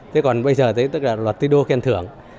thế còn bây giờ tức là luật tư đô khen thưởng